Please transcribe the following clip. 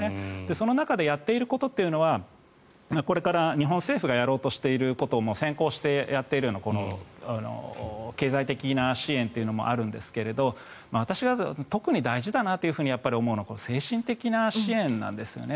その中でやっていることというのはこれから日本政府がやろうとしていることを先行してやっているような経済的な支援というのもあるんですが私は特に大事だなと思うのは精神的な支援なんですよね。